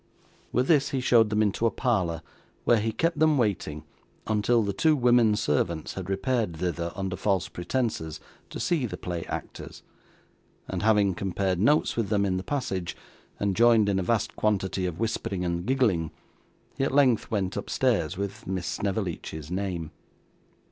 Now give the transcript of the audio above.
With this he showed them into a parlour where he kept them waiting, until the two women servants had repaired thither, under false pretences, to see the play actors; and having compared notes with them in the passage, and joined in a vast quantity of whispering and giggling, he at length went upstairs with Miss Snevellicci's name.